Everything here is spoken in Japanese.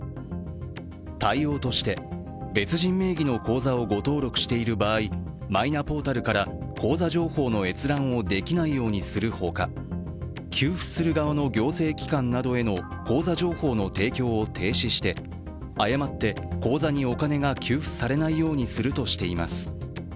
対応として、別人名義の口座を誤登録している場合マイナポータルから口座情報の閲覧をできないようにするほか、給付する側の行政機関などへの口座情報の提供を停止して誤って口座にお金が給付されないようにするとしています。